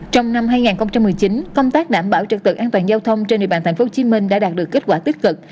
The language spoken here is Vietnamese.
trong năm hai nghìn một mươi chín công tác đảm bảo trực tự an toàn giao thông trên địa bàn tp hcm đã đạt được kết quả tích cực